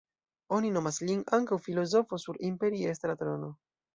Oni nomas lin ankaŭ "filozofo sur imperiestra trono".